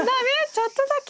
ちょっとだけ。